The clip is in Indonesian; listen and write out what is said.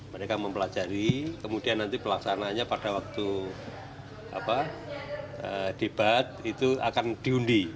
mereka mempelajari kemudian nanti pelaksananya pada waktu debat itu akan diundi